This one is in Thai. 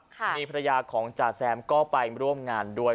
มีภรรยาของจ่าแซมก็ไปร่วมงานด้วย